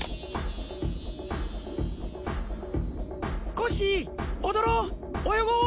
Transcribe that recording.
コッシーおどろうおよごう！